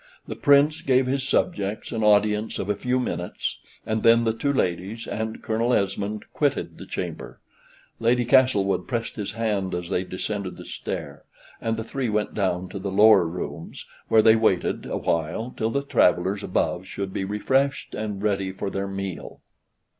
The Prince gave his subjects an audience of a few minutes, and then the two ladies and Colonel Esmond quitted the chamber. Lady Castlewood pressed his hand as they descended the stair, and the three went down to the lower rooms, where they waited awhile till the travellers above should be refreshed and ready for their meal.